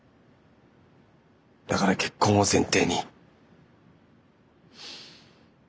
だから結婚を前提に。